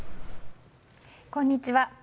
こんにちは。